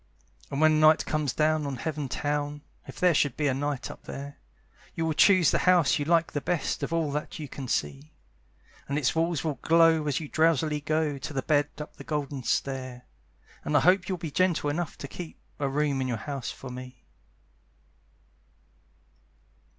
And when night comes down on Heaven town (If there should be night up there) You will choose the house you like the best Of all that you can see: And its walls will glow as you drowsily go To the bed up the golden stair, And I hope you'll be gentle enough to keep A room in your house for me.